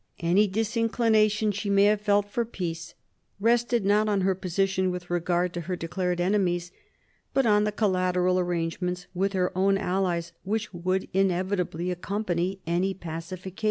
Any dis inclination she may have felt for peace rested not on her position with regard to her declared enemies, but on the collateral arrangements with her own allies which would inevitably accompany any pacification.